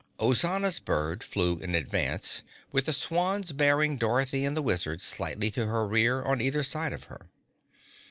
Ozana's bird flew in advance, with the swans bearing Dorothy and the Wizard slightly to her rear on either side of her.